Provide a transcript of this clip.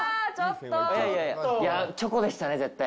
いやいやチョコでしたね、絶対。